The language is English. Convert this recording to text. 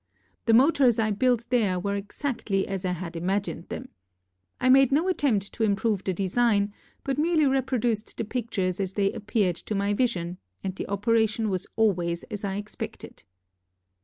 The motors I built there were exactly as I had imagined them. I made no attempt to improve the design, but merely reproduced the pictures as they appeared to my vision and the operation was always as I expected.